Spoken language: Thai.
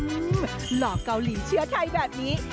อื้อหลอกเกาหลีเชื้อไทยแบบนี้